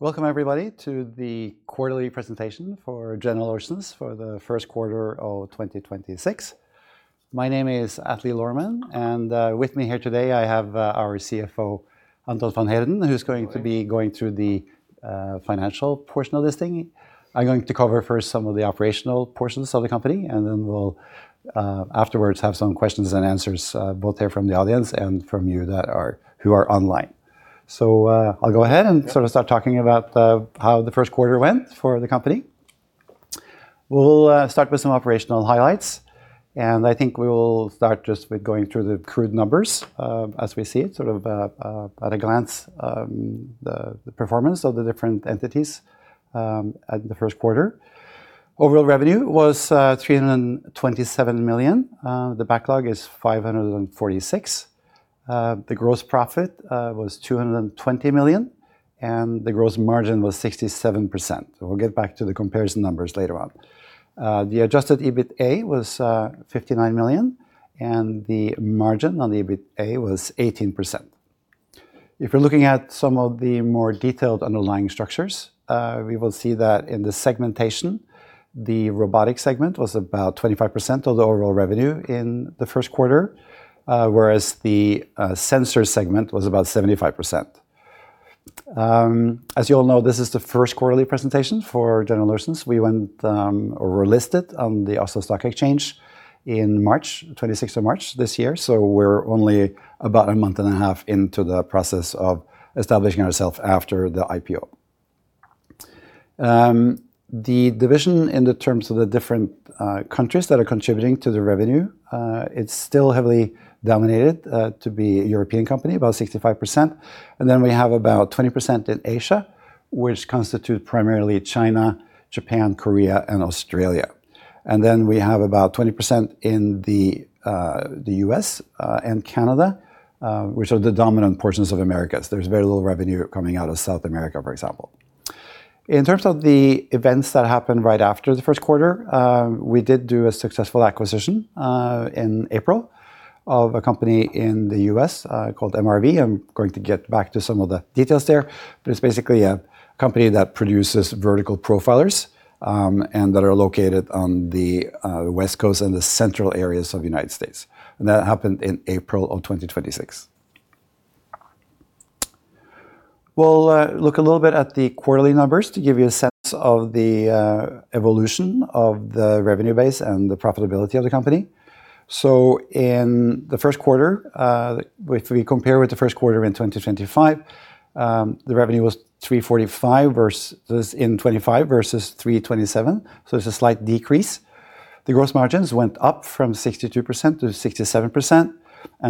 Welcome everybody to the quarterly presentation for General Oceans for the first quarter of 2026. My name is Atle Lohrmann, and with me here today I have our CFO, Anton van Heerden. Hello. Who's going to be going through the financial portion of this thing. I'm going to cover first some of the operational portions of the company, then we'll afterwards have some questions and answers both here from the audience and from you who are online. I'll go ahead. Yep. We'll start talking about how the first quarter went for the company. We'll start with some operational highlights, and I think we will start just with going through the crude numbers as we see it at a glance, the performance of the different entities at the first quarter. Overall revenue was 327 million. The backlog is 546. The gross profit was 220 million, and the gross margin was 67%. We'll get back to the comparison numbers later on. The adjusted EBITDA was 59 million, and the margin on the EBITDA was 18%. If you're looking at some of the more detailed underlying structures, we will see that in the segmentation, the Robotics Segment was about 25% of the overall revenue in the first quarter, whereas the sensor segment was about 75%. As you all know, this is the first quarterly presentation for General Oceans. We went or were listed on the Oslo Stock Exchange in March, March 26th this year, so we're only about a month and a half into the process of establishing ourselves after the IPO. The division in the terms of the different countries that are contributing to the revenue, it's still heavily dominated to be a European company, about 65%, and then we have about 20% in Asia, which constitute primarily China, Japan, Korea, and Australia. We have about 20% in the U.S. and Canada, which are the dominant portions of Americas. There's very little revenue coming out of South America, for example. In terms of the events that happened right after the first quarter, we did do a successful acquisition in April of a company in the U.S. called MRV. I'm going to get back to some of the details there. It's basically a company that produces vertical profilers, and that are located on the West Coast and the central areas of United States, and that happened in April of 2026. We'll look a little bit at the quarterly numbers to give you a sense of the evolution of the revenue base and the profitability of the company. In the first quarter, if we compare with the first quarter in 2025, the revenue was 345 versus in 2025 versus 327, so it's a slight decrease. The gross margins went up from 62% to 67%.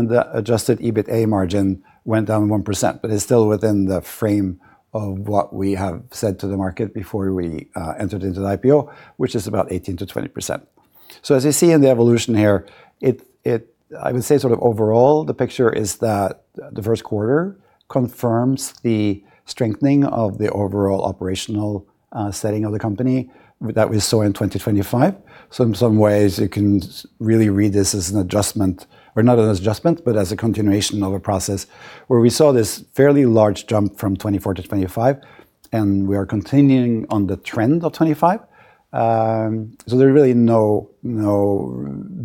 The adjusted EBITDA margin went down 1%, but it's still within the frame of what we have said to the market before we entered into the IPO, which is about 18%-20%. As you see in the evolution here, I would say sort of overall, the picture is that the first quarter confirms the strengthening of the overall operational setting of the company that we saw in 2025. In some ways you can really read this as an adjustment or not an adjustment, but as a continuation of a process where we saw this fairly large jump from 2024 to 2025, and we are continuing on the trend of 2025. There are really no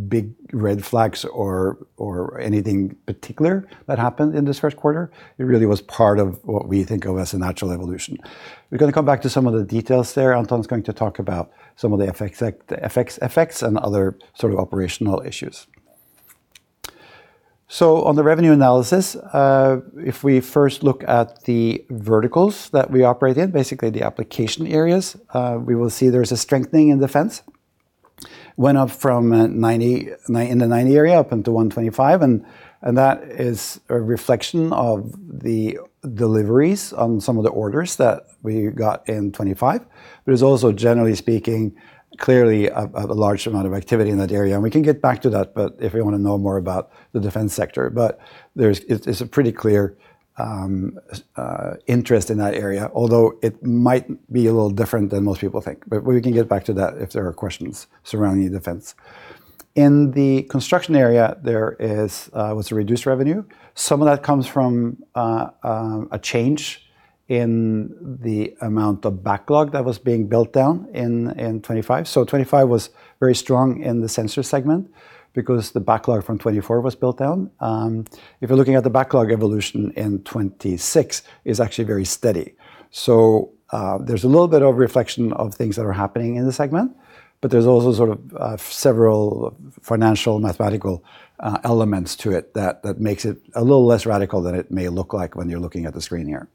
big red flags or anything particular that happened in this first quarter. It really was part of what we think of as a natural evolution. We're gonna come back to some of the details there. Anton's going to talk about some of the effects and other sort of operational issues. On the revenue analysis, if we first look at the verticals that we operate in, basically the application areas, we will see there's a strengthening in defense. Went up from 90, in the 90 area up into 125. That is a reflection of the deliveries on some of the orders that we got in 2025. It's also, generally speaking, clearly a large amount of activity in that area. We can get back to that, but if we want to know more about the defense sector. It's a pretty clear interest in that area, although it might be a little different than most people think. We can get back to that if there are questions surrounding defense. In the construction area, there was a reduced revenue. Some of that comes from a change in the amount of backlog that was being built down in 2025. 2025 was very strong in the sensor segment because the backlog from 2024 was built down. If you're looking at the backlog evolution in 2026, it's actually very steady. There's a little bit of reflection of things that are happening in the segment, but there's also sort of several financial, mathematical elements to it that makes it a little less radical than it may look like when you're looking at the screen here.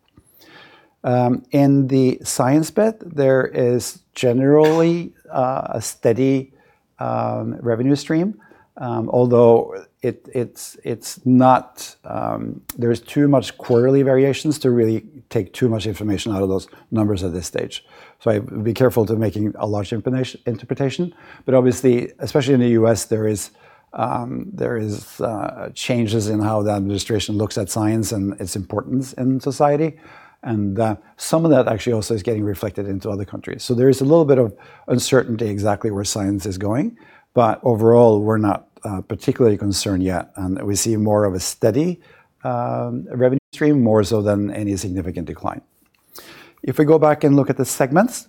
In the science bit, there is generally a steady revenue stream, although it's not there's too much quarterly variations to really take too much information out of those numbers at this stage. I'd be careful to making a large interpretation. Obviously, especially in the U.S., there is changes in how the administration looks at science and its importance in society, and some of that actually also is getting reflected into other countries. There is a little bit of uncertainty exactly where science is going. Overall, we're not particularly concerned yet, and we see more of a steady revenue stream, more so than any significant decline. If we go back and look at the segments,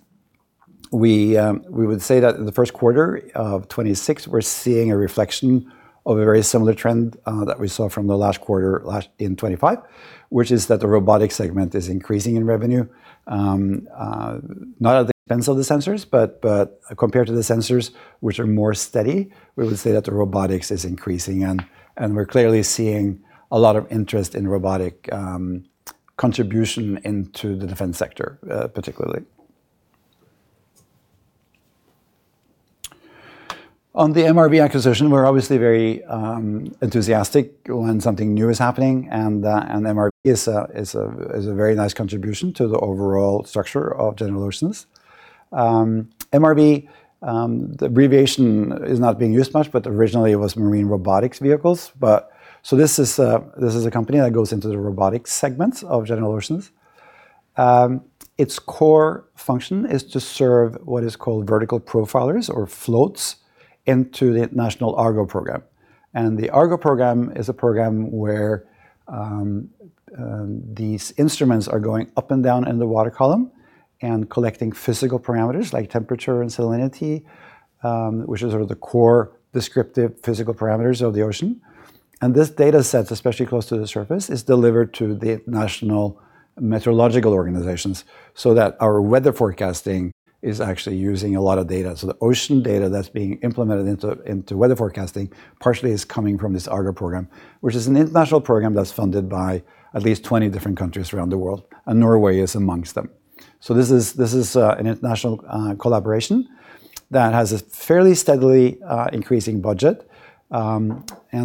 we would say that in the first quarter of 2026, we're seeing a reflection of a very similar trend that we saw from the last quarter last in 2025, which is that the Robotics Segment is increasing in revenue. Not at the expense of the sensors, but compared to the sensors which are more steady, we would say that the robotics is increasing and we're clearly seeing a lot of interest in robotic contribution into the defense sector, particularly. On the MRV acquisition, we're obviously very enthusiastic when something new is happening and MRV is a very nice contribution to the overall structure of General Oceans. MRV, the abbreviation is not being used much, but originally it was Marine Robotic Vehicles. This is a company that goes into the robotics segments of General Oceans. Its core function is to serve what is called vertical profilers or floats into the Argo Program. The Argo Program is a program where these instruments are going up and down in the water column and collecting physical parameters like temperature and salinity, which is sort of the core descriptive physical parameters of the ocean. This data sets, especially close to the surface, is delivered to the national meteorological organizations so that our weather forecasting is actually using a lot of data. The ocean data that's being implemented into weather forecasting partially is coming from this Argo Program, which is an international program that's funded by at least 20 different countries around the world, and Norway is amongst them. This is an international collaboration that has a fairly steadily increasing budget, and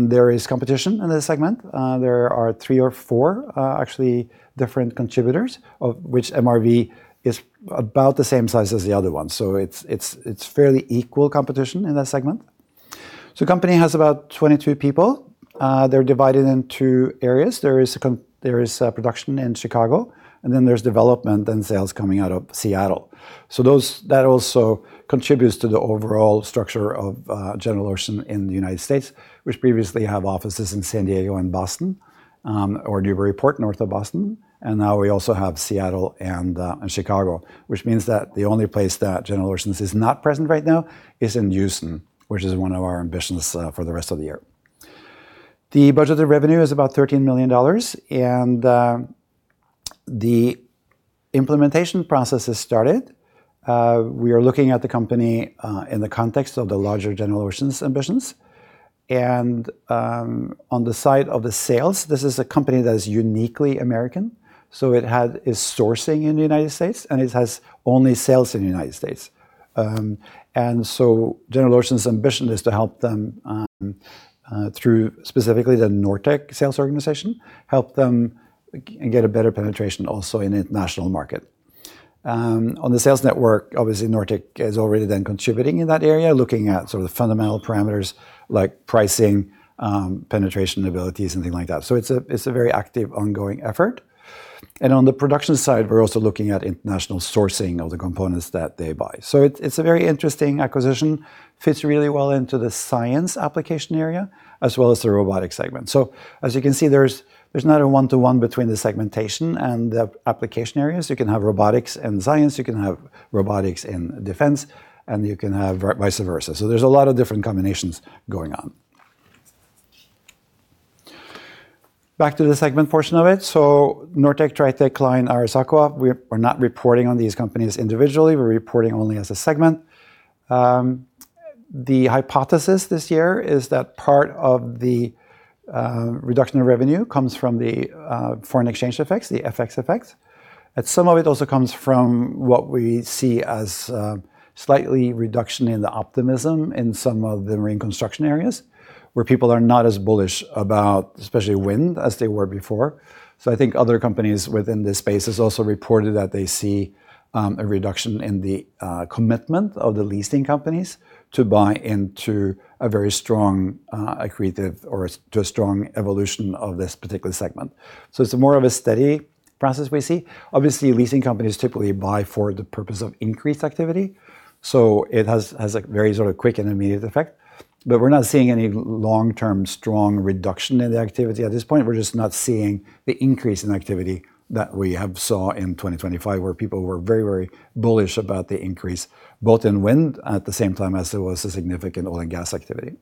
there is competition in this segment. There are three or four, actually different contributors of which MRV is about the same size as the other ones. It's fairly equal competition in that segment. Company has about 22 people. They're divided into areas. There is production in Chicago, and then there's development and sales coming out of Seattle. That also contributes to the overall structure of General Oceans in the U.S., which previously have offices in San Diego and Boston, or Newburyport, north of Boston. Now we also have Seattle and Chicago, which means that the only place that General Oceans is not present right now is in Houston, which is one of our ambitions for the rest of the year. The budget of revenue is about $13 million and the implementation process has started. We are looking at the company in the context of the larger General Oceans ambitions. On the side of the sales, this is a company that is uniquely American, so it had is sourcing in the United States, and it has only sales in the United States. General Oceans ambition is to help them through specifically the Nortek sales organization, help them get a better penetration also in the international market. On the sales network, obviously Nortek is already then contributing in that area, looking at sort of the fundamental parameters like pricing, penetration abilities, something like that. It's a very active, ongoing effort. On the production side, we're also looking at international sourcing of the components that they buy. It's a very interesting acquisition, fits really well into the science application area as well as the Robotics Segment. As you can see, there's not a one-to-one between the segmentation and the application areas. You can have robotics and science, you can have robotics and defense, you can have vice versa. There's a lot of different combinations going on. Back to the segment portion of it. Nortek, Tritech, Klein, RS Aqua, we're not reporting on these companies individually, we're reporting only as a segment. The hypothesis this year is that part of the reduction in revenue comes from the foreign exchange effects, the FX effects. Some of it also comes from what we see as slightly reduction in the optimism in some of the marine construction areas, where people are not as bullish about especially wind as they were before. I think other companies within this space has also reported that they see a reduction in the commitment of the leasing companies to buy into a very strong accretive or to a strong evolution of this particular segment. It's more of a steady process we see. Obviously, leasing companies typically buy for the purpose of increased activity, so it has a very sort of quick and immediate effect. We're not seeing any long-term strong reduction in the activity at this point. We're just not seeing the increase in activity that we have saw in 2025, where people were very, very bullish about the increase both in wind at the same time as there was a significant oil and gas activity.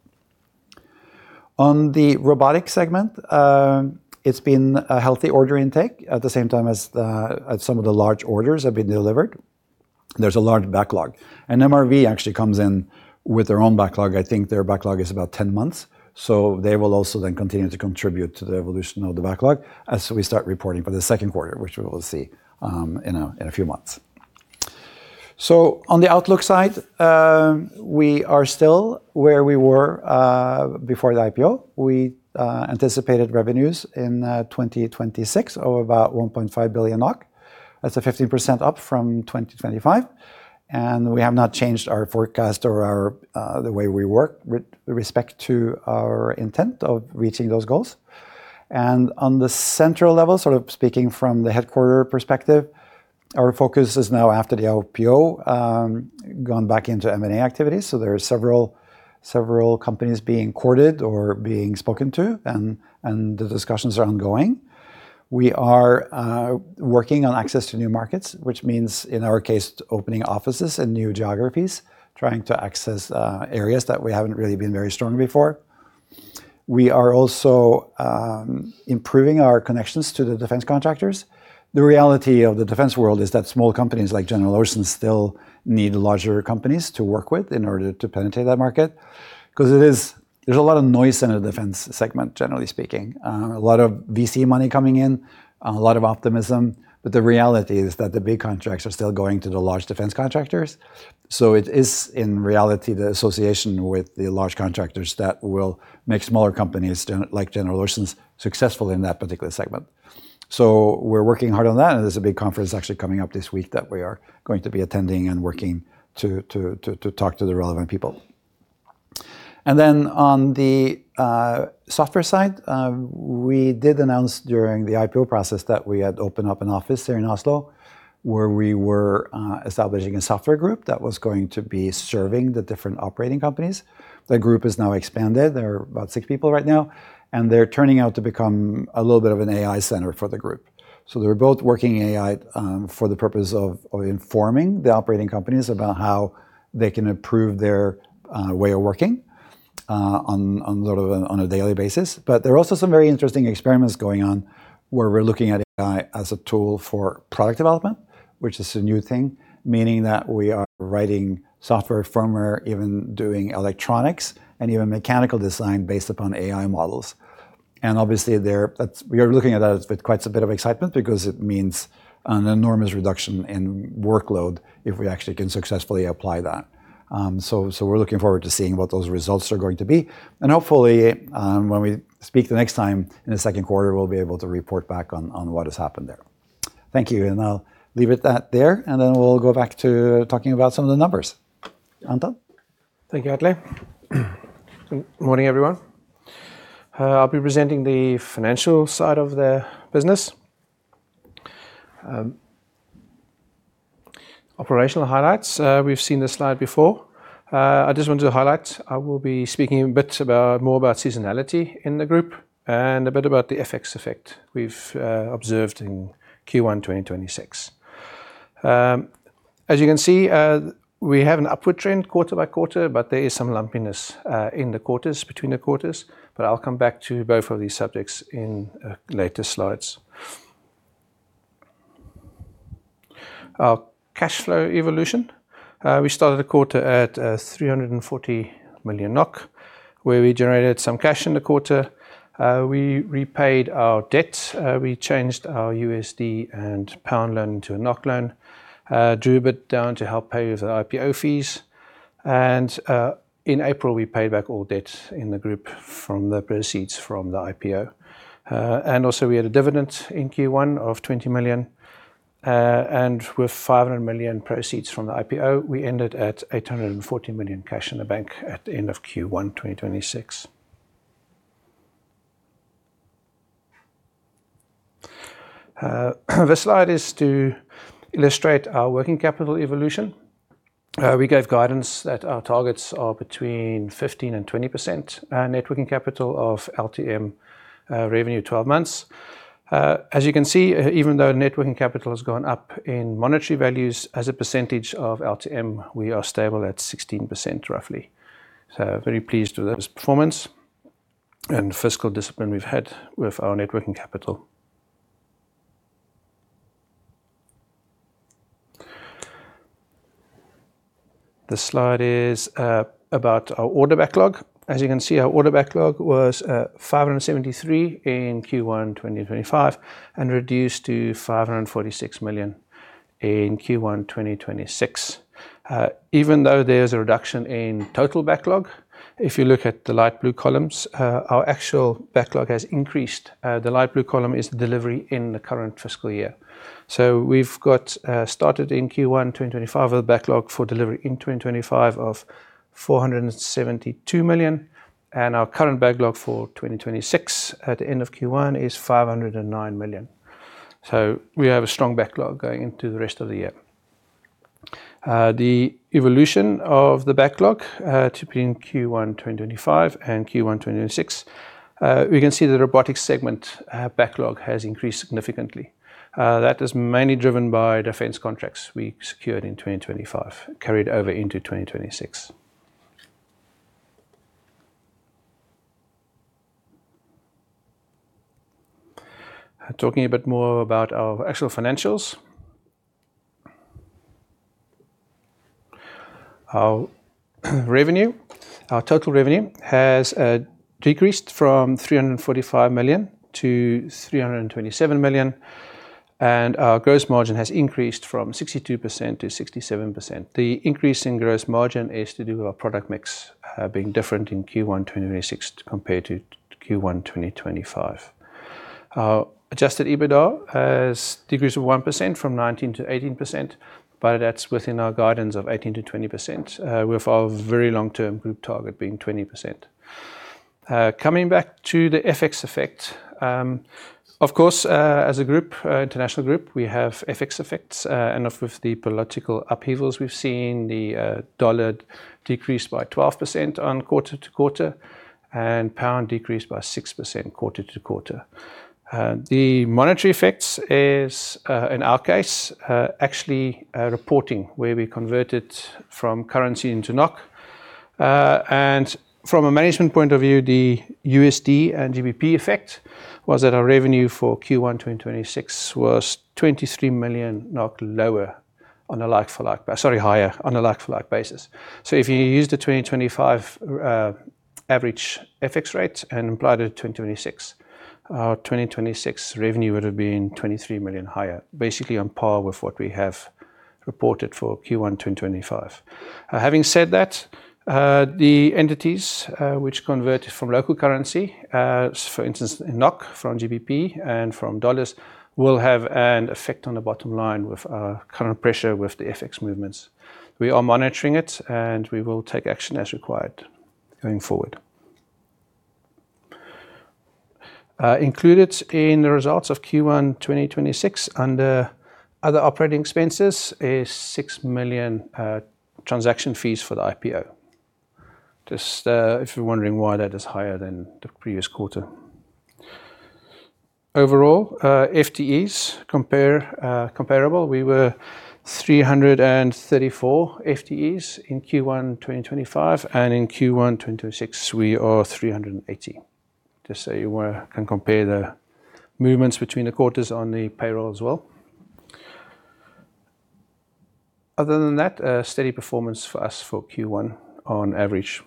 On the Robotics Segment, it's been a healthy order intake at the same time as some of the large orders have been delivered. There's a large backlog. MRV actually comes in with their own backlog. I think their backlog is about 10 months. They will also then continue to contribute to the evolution of the backlog as we start reporting for the second quarter, which we will see in a few months. On the outlook side, we are still where we were before the IPO. We anticipated revenues in 2026 of about 1.5 billion NOK. That's a 15% up from 2025. We have not changed our forecast or our the way we work with respect to our intent of reaching those goals. On the central level, sort of speaking from the headquarters perspective, our focus is now after the IPO, gone back into M&A activities. There are several companies being courted or being spoken to and the discussions are ongoing. We are working on access to new markets, which means, in our case, opening offices in new geographies, trying to access areas that we haven't really been very strong before. We are also improving our connections to the defense contractors. The reality of the defense world is that small companies like General Oceans still need larger companies to work with in order to penetrate that market because there's a lot of noise in the defense segment, generally speaking. A lot of VC money coming in, a lot of optimism. The reality is that the big contracts are still going to the large defense contractors. It is, in reality, the association with the large contractors that will make smaller companies like General Oceans successful in that particular segment. We're working hard on that, and there's a big conference actually coming up this week that we are going to be attending and working to talk to the relevant people. On the software side, we did announce during the IPO process that we had opened up an office here in Oslo, where we were establishing a software group that was going to be serving the different operating companies. The group has now expanded. There are about six people right now, and they're turning out to become a little bit of an AI center for the group. They're both working AI for the purpose of informing the operating companies about how they can improve their way of working on a daily basis. There are also some very interesting experiments going on where we're looking at AI as a tool for product development, which is a new thing, meaning that we are writing software, firmware, even doing electronics and even mechanical design based upon AI models. Obviously, we are looking at that with quite a bit of excitement because it means an enormous reduction in workload if we actually can successfully apply that. So, we're looking forward to seeing what those results are going to be. Hopefully, when we speak the next time in the second quarter, we'll be able to report back on what has happened there. Thank you. I'll leave it that there, and then we'll go back to talking about some of the numbers. Anton? Thank you, Atle. Morning, everyone. I'll be presenting the financial side of the business. Operational highlights. We've seen this slide before. I just want to highlight I will be speaking more about seasonality in the group and a bit about the FX effect we've observed in Q1 2026. As you can see, we have an upward trend quarter by quarter. There is some lumpiness in the quarters, between the quarters. I'll come back to both of these subjects in later slides. Our cash flow evolution. We started the quarter at 340 million NOK, where we generated some cash in the quarter. We repaid our debt. We changed our USD and GBP loan to a NOK loan. Drew a bit down to help pay the IPO fees. In April, we paid back all debt in the group from the proceeds from the IPO. We had a dividend in Q1 of 20 million. With 500 million proceeds from the IPO, we ended at 840 million cash in the bank at the end of Q1 2026. This slide is to illustrate our working capital evolution. We gave guidance that our targets are between 15% and 20% net working capital of LTM revenue 12 months. As you can see, even though net working capital has gone up in monetary values as a percentage of LTM, we are stable at 16% roughly. Very pleased with those performance and fiscal discipline we've had with our net working capital. This slide is about our order backlog. As you can see, our order backlog was 573 in Q1 2025 and reduced to 546 million in Q1 2026. Even though there's a reduction in total backlog, if you look at the light blue columns, our actual backlog has increased. The light blue column is the delivery in the current fiscal year. We've got started in Q1 2025 with a backlog for delivery in 2025 of 472 million, and our current backlog for 2026 at the end of Q1 is 509 million. We have a strong backlog going into the rest of the year. The evolution of the backlog between Q1 2025 and Q1 2026, we can see the robotics segment backlog has increased significantly. That is mainly driven by defense contracts we secured in 2025, carried over into 2026. Talking a bit more about our actual financials. Our revenue, our total revenue has decreased from 345 million-327 million, and our gross margin has increased from 62% to 67%. The increase in gross margin is to do with our product mix being different in Q1 2026 compared to Q1 2025. Our adjusted EBITDA has decreased to 1% from 19%-18%, that's within our guidance of 18%-20%, with our very long-term group target being 20%. Coming back to the FX effect. Of course, as a group, international group, we have FX effects, and with the political upheavals we've seen, the dollar decreased by 12% on quarter-to-quarter, and pound decreased by 6% quarter-to-quarter. The monetary effects is in our case, actually, reporting where we converted from currency into NOK. From a management point of view, the USD and GBP effect was that our revenue for Q1 2026 was 23 million NOK lower on a like-for-like basis. Sorry, higher on a like-for-like basis. If you use the 2025 average FX rate and applied it to 2026, our 2026 revenue would have been 23 million higher, basically on par with what we have reported for Q1 2025. Having said that, the entities, which converted from local currency, for instance, in NOK from GBP and from USD, will have an effect on the bottom line with our current pressure with the FX movements. We are monitoring it, and we will take action as required going forward. Included in the results of Q1 2026 under other operating expenses is 6 million transaction fees for the IPO. Just, if you're wondering why that is higher than the previous quarter. Overall, FTEs comparable. We were 334 FTEs in Q1 2025, and in Q1 2026, we are 380. Just so you can compare the movements between the quarters on the payroll as well. Other than that, a steady performance for us for Q1 on average.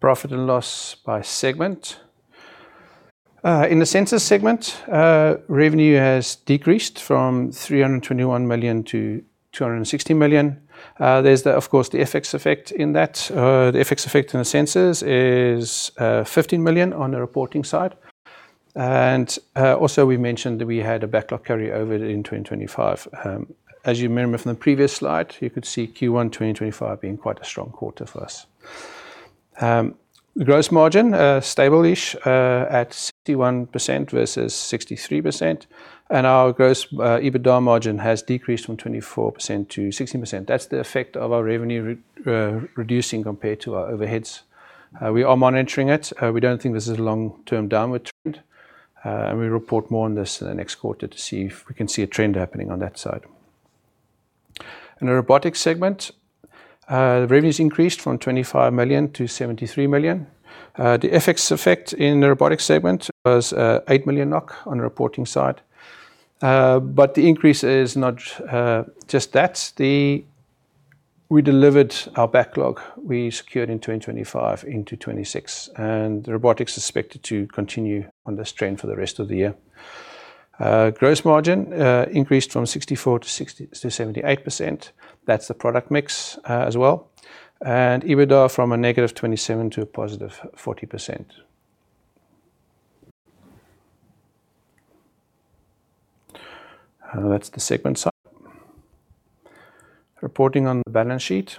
Profit and loss by segment. In the Sensors segment, revenue has decreased from 321 million-260 million. There's the, of course, the FX effect in that. The FX effect in the Sensors is 15 million on the reporting side. Also, we mentioned that we had a backlog carryover in 2025. As you remember from the previous slide, you could see Q1 2025 being quite a strong quarter for us. Gross margin, stable-ish, at 61% versus 63%. Our gross EBITDA margin has decreased from 24%-16%. That's the effect of our revenue reducing compared to our overheads. We are monitoring it. We don't think this is a long-term downward trend. We report more on this in the next quarter to see if we can see a trend happening on that side. In the Robotics Segment, the revenues increased from 25 million-73 million. The FX effect in the Robotics Segment was 8 million NOK on the reporting side. The increase is not just that. We delivered our backlog we secured in 2025 into 2026, and the Robotics is expected to continue on this trend for the rest of the year. Gross margin increased from 64%-78%. That's the product mix as well. EBITDA from a negative 27% to a +40%. That's the segment side. Reporting on the balance sheet.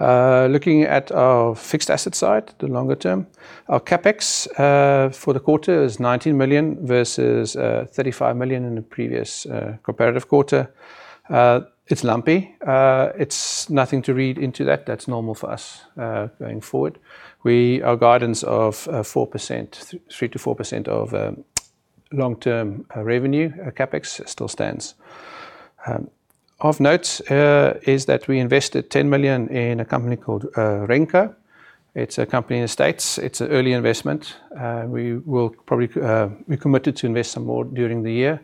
Looking at our fixed asset side, the longer term. Our CapEx for the quarter is 19 million versus 35 million in the previous comparative quarter. It's lumpy. It's nothing to read into that. That's normal for us going forward. Our guidance of 3%-4% of long-term revenue CapEx still stands. Of note is that we invested 10 million in a company called Renca. It's a company in the States. It's an early investment. We will probably be committed to invest some more during the year,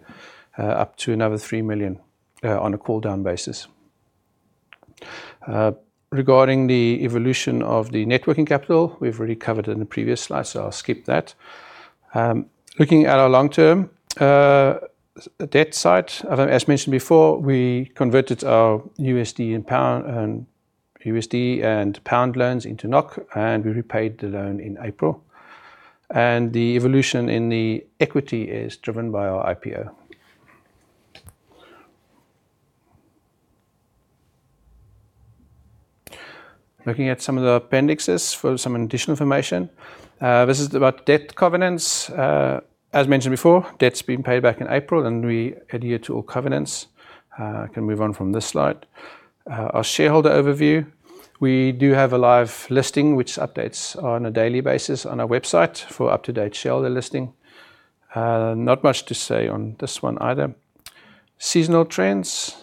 up to another 3 million on a call-down basis. Regarding the evolution of the networking capital, we've already covered it in the previous slide. I'll skip that. Looking at our long-term debt side, as mentioned before, we converted our USD and pound, and USD and pound loans into NOK, and we repaid the loan in April. The evolution in the equity is driven by our IPO. Looking at some of the appendixes for some additional information. This is about debt covenants. As mentioned before, debt's been paid back in April, and we adhere to all covenants. Can move on from this slide. Our shareholder overview. We do have a live listing, which updates on a daily basis on our website for up-to-date shareholder listing. Not much to say on this one either. Seasonal trends.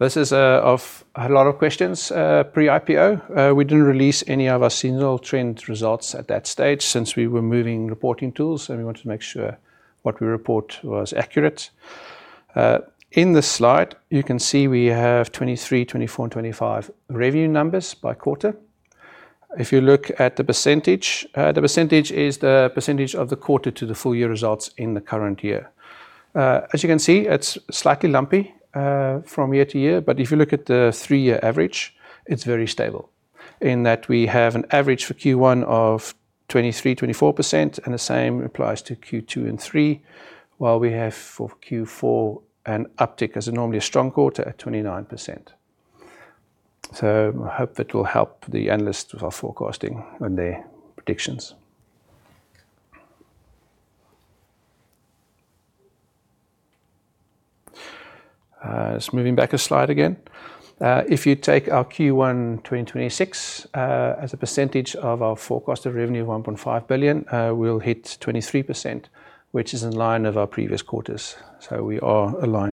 This is of a lot of questions pre-IPO. We didn't release any of our seasonal trend results at that stage since we were moving reporting tools, and we wanted to make sure what we report was accurate. In this slide, you can see we have 2023, 2024, and 2025 revenue numbers by quarter. If you look at the percentage, the percentage is the percentage of the quarter to the full-year results in the current year. As you can see, it's slightly lumpy from year to year, but if you look at the three-year average, it's very stable in that we have an average for Q1 of 23%-24%, and the same applies to Q2 and 3, while we have for Q4 an uptick as a normally a strong quarter at 29%. Hope that will help the analysts with our forecasting and their predictions. Just moving back a slide again. If you take our Q1 2026 as a percentage of our forecasted revenue, 1.5 billion, we'll hit 23%, which is in line of our previous quarters. We are aligned.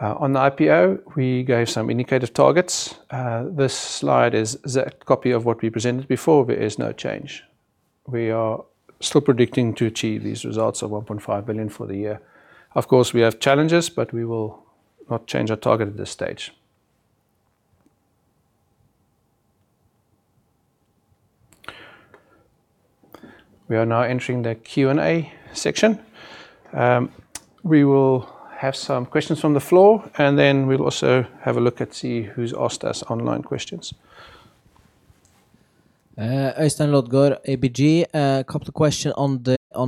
On the IPO, we gave some indicative targets. This slide is the copy of what we presented before. There is no change. We are still predicting to achieve these results of 1.5 billion for the year. Of course, we have challenges. We will not change our target at this stage. We are now entering the Q&A section. We will have some questions from the floor. We'll also have a look and see who's asked us online questions. Øystein Elton Lodgaard, ABG. couple of question on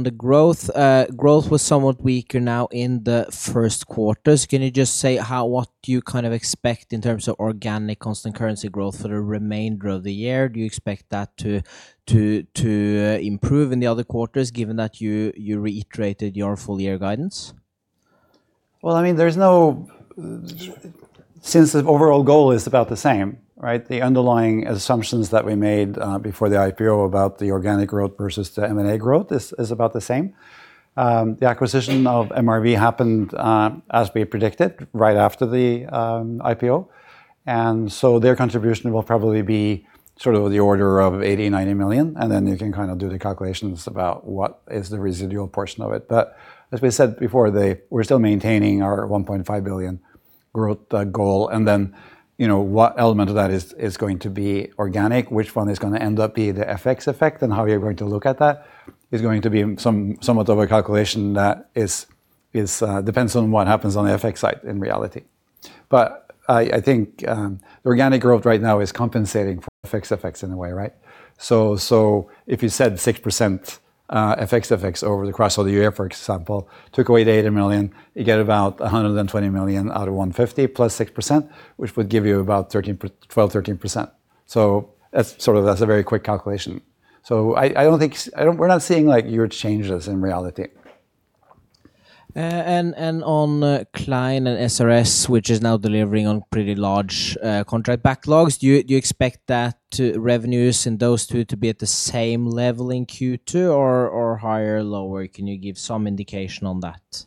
the growth. growth was somewhat weaker now in the first quarters. Can you just say what do you kind of expect in terms of organic constant currency growth for the remainder of the year? Do you expect that to improve in the other quarters, given that you reiterated your full year guidance? Well, I mean, since the overall goal is about the same, right? The underlying assumptions that we made before the IPO about the organic growth versus the M&A growth is about the same. The acquisition of MRV happened as we predicted, right after the IPO. Their contribution will probably be sort of the order of 80 million-90 million, and then you can kind of do the calculations about what is the residual portion of it. As we said before, we're still maintaining our 1.5 billion growth goal. You know, what element of that is going to be organic, which one is going to end up be the FX effect and how you're going to look at that is going to be somewhat of a calculation that depends on what happens on the FX side in reality. I think the organic growth right now is compensating for FX effects in a way, right? If you said 6% FX effects over the course of the year, for example, took away the 80 million, you get about 120 million out of 150 plus 6%, which would give you about 12%-13%. That's sort of a very quick calculation. I don't think We're not seeing like huge changes in reality. On Klein and SRS, which is now delivering on pretty large, contract backlogs, do you expect that to revenues in those two to be at the same level in Q2 or higher, lower? Can you give some indication on that?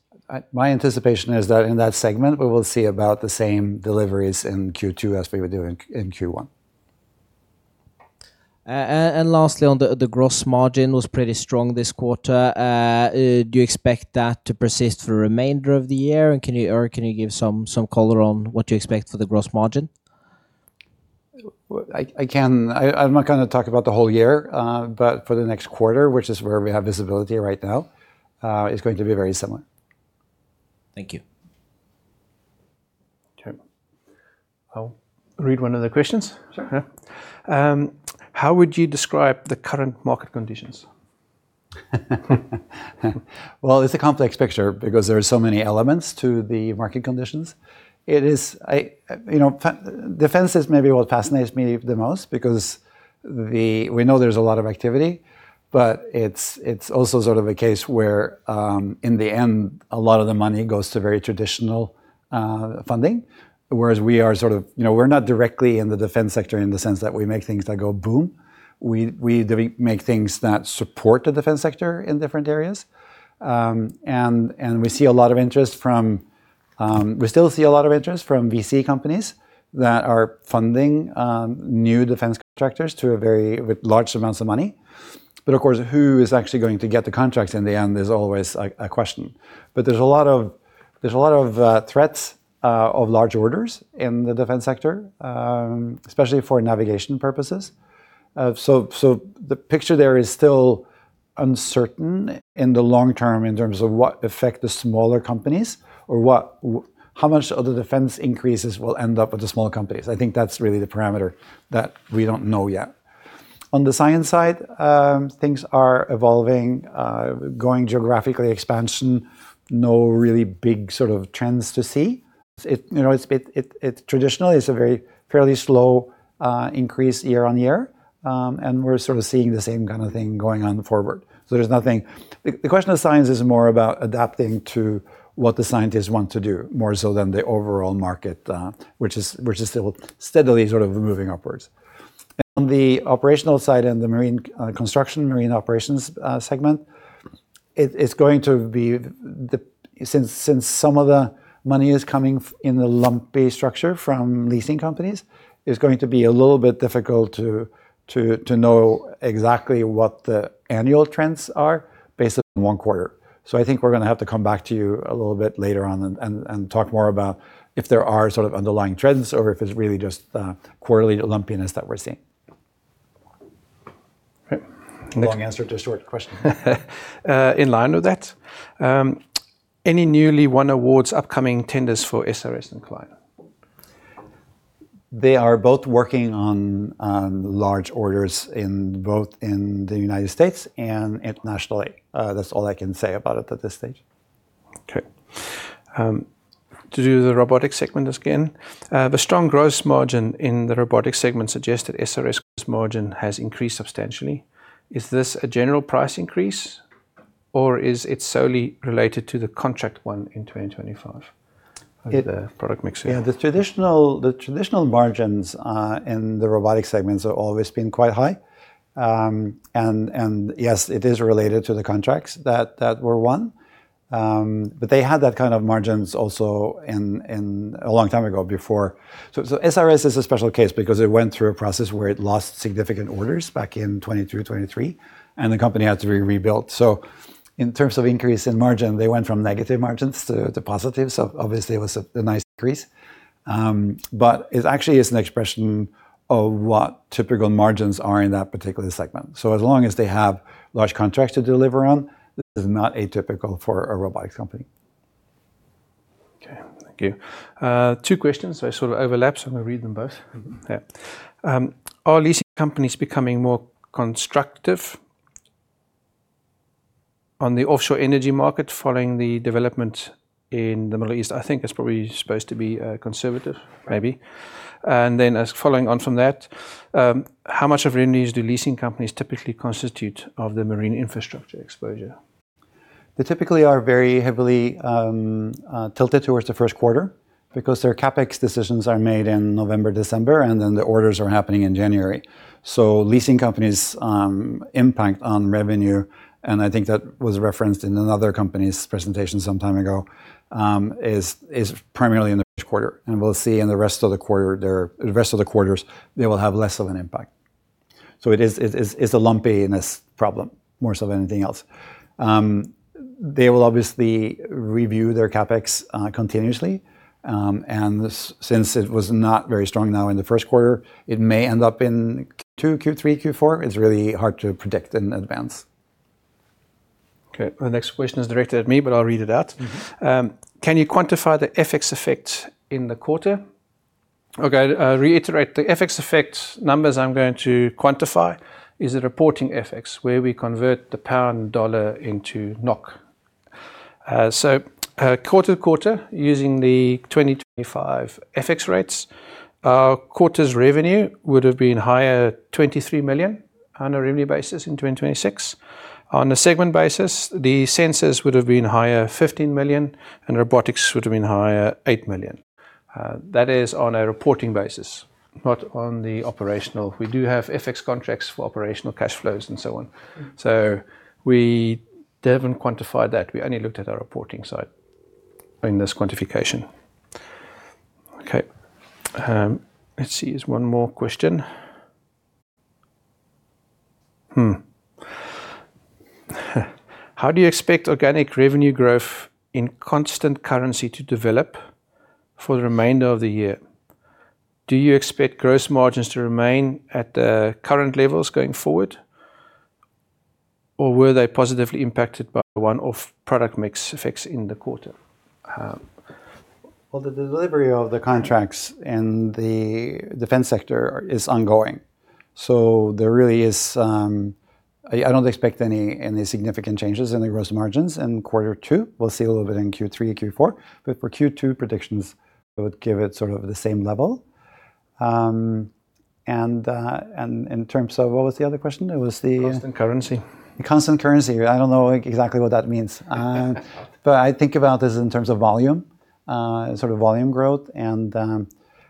My anticipation is that in that segment, we will see about the same deliveries in Q2 as we were doing in Q1. Lastly, on the gross margin was pretty strong this quarter. Do you expect that to persist for the remainder of the year? Can you give some color on what you expect for the gross margin? Well, I'm not gonna talk about the whole year, but for the next quarter, which is where we have visibility right now, is going to be very similar. Thank you. Okay. I'll read one of the questions. Sure. Yeah. How would you describe the current market conditions? Well, it's a complex picture because there are so many elements to the market conditions. It is, you know, defense is maybe what fascinates me the most because we know there's a lot of activity, but it's also sort of a case where in the end, a lot of the money goes to very traditional funding. Whereas we are sort of, you know, we're not directly in the defense sector in the sense that we make things that go boom. We make things that support the defense sector in different areas. We still see a lot of interest from VC companies that are funding new defense contractors with large amounts of money. Of course, who is actually going to get the contracts in the end is always a question. There's a lot of threats of large orders in the defense sector, especially for navigation purposes. The picture there is still uncertain in the long term in terms of what affect the smaller companies or how much of the defense increases will end up with the smaller companies. I think that's really the parameter that we don't know yet. On the science side, things are evolving, going geographically expansion, no really big sort of trends to see. It, you know, it traditionally is a very fairly slow increase year on year. We're sort of seeing the same kind of thing going on forward. There's nothing. The question of science is more about adapting to what the scientists want to do, more so than the overall market, which is still steadily sort of moving upwards. On the operational side and the marine construction, marine operations segment, since some of the money is coming in a lumpy structure from leasing companies, it is going to be a little bit difficult to know exactly what the annual trends are based on one quarter. I think we're gonna have to come back to you a little bit later on and talk more about if there are sort of underlying trends or if it's really just quarterly lumpiness that we're seeing. Right. Long answer to a short question. In line with that, any newly won awards, upcoming tenders for SRS and Klein? They are both working on large orders in both in the U.S. and internationally. That's all I can say about it at this stage. Okay. To do the Robotics Segment again. The strong gross margin in the Robotics Segment suggests that SRS gross margin has increased substantially. Is this a general price increase or is it solely related to the contract won in 2025 with the product mix here? Yeah. The traditional margins in the Robotics Segments have always been quite high. Yes, it is related to the contracts that were won. They had that kind of margins also in a long time ago before. SRS is a special case because it went through a process where it lost significant orders back in 2022, 2023, and the company had to be rebuilt. In terms of increase in margin, they went from negative margins to positive. Obviously it was a nice increase. It actually is an expression of what typical margins are in that particular segment. As long as they have large contracts to deliver on, this is not atypical for a robotics company. Okay. Thank you. Two questions. They sort of overlap. I'm gonna read them both. Yeah. Are leasing companies becoming more constructive on the offshore energy market following the development in the Middle East? I think it's probably supposed to be, conservative maybe. As following on from that, how much of your needs do leasing companies typically constitute of the marine infrastructure exposure? They typically are very heavily tilted towards the first quarter because their CapEx decisions are made in November, December, and then the orders are happening in January. Leasing companies' impact on revenue, and I think that was referenced in another company's presentation some time ago, is primarily in the first quarter. We'll see in the rest of the quarters they will have less of an impact. It's a lumpiness problem more so than anything else. They will obviously review their CapEx continuously. Since it was not very strong now in the first quarter, it may end up in Q2, Q3, Q4. It's really hard to predict in advance. Okay. The next question is directed at me, but I'll read it out. Can you quantify the FX effect in the quarter? Okay. I'll reiterate. The FX effect numbers I'm going to quantify is the reporting FX, where we convert the GBP and USD into NOK. Quarter-over-quarter using the 2025 FX rates, our quarter's revenue would've been higher 23 million on a revenue basis in 2026. On a segment basis, the sensors would've been higher 15 million and robotics would've been higher 8 million. That is on a reporting basis, not on the operational. We do have FX contracts for operational cash flows and so on. We haven't quantified that. We only looked at our reporting side during this quantification. Okay. Let's see. There's one more question. How do you expect organic revenue growth in constant currency to develop for the remainder of the year? Do you expect gross margins to remain at the current levels going forward, or were they positively impacted by one-off product mix effects in the quarter? The delivery of the contracts in the defense sector is ongoing, I don't expect any significant changes in the gross margins in Q2. We'll see a little bit in Q3 and Q4. For Q2 predictions, I would give it sort of the same level. In terms of What was the other question? Constant currency. Constant currency. I don't know exactly what that means. I think about this in terms of volume, sort of volume growth.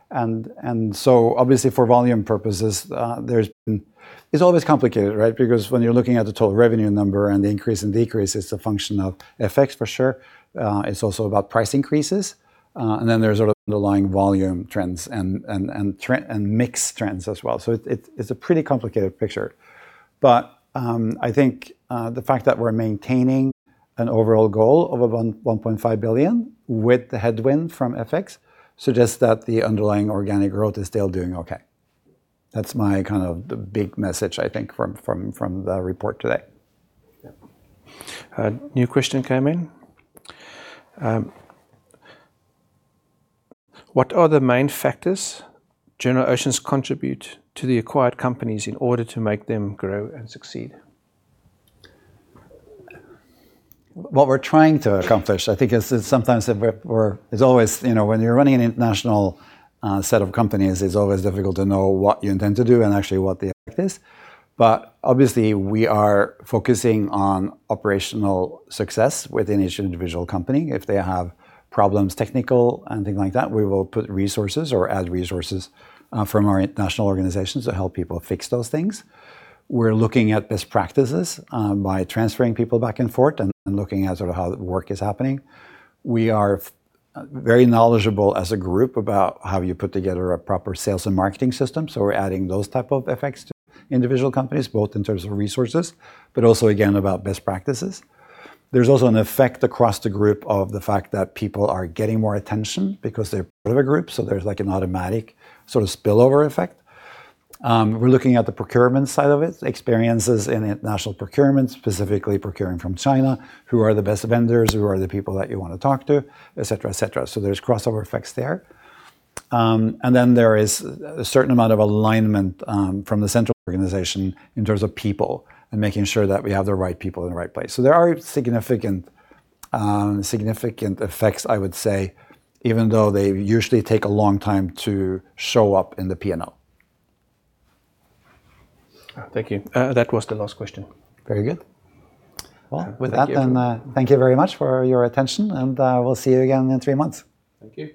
Obviously for volume purposes, It's always complicated, right? Because when you're looking at the total revenue number and the increase and decrease, it's a function of FX for sure. It's also about price increases. There's sort of underlying volume trends and mix trends as well. It's a pretty complicated picture. I think the fact that we're maintaining an overall goal of 1.5 billion with the headwind from FX suggests that the underlying organic growth is still doing okay. That's my kind of the big message, I think, from the report today. Yeah. A new question came in. What are the main factors General Oceans contribute to the acquired companies in order to make them grow and succeed? What we're trying to accomplish, I think it's sometimes that it's always, you know, when you're running an international set of companies, it's always difficult to know what you intend to do and actually what the effect is. Obviously we are focusing on operational success within each individual company. If they have problems, technical and things like that, we will put resources or add resources from our international organizations to help people fix those things. We're looking at best practices by transferring people back and forth and looking at sort of how work is happening. We are very knowledgeable as a group about how you put together a proper sales and marketing system, we're adding those type of effects to individual companies, both in terms of resources, but also again, about best practices. There's also an effect across the group of the fact that people are getting more attention because they're part of a group, so there's like an automatic sort of spillover effect. We're looking at the procurement side of it, experiences in international procurement, specifically procuring from China. Who are the best vendors? Who are the people that you want to talk to? Et cetera, et cetera. There's crossover effects there. Then there is a certain amount of alignment from the central organization in terms of people and making sure that we have the right people in the right place. There are significant effects, I would say, even though they usually take a long time to show up in the P&L. Thank you. That was the last question. Very good. Well. With that then thank you very much for your attention, and, we'll see you again in three months. Thank you.